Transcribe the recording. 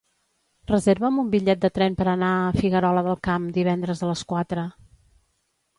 Reserva'm un bitllet de tren per anar a Figuerola del Camp divendres a les quatre.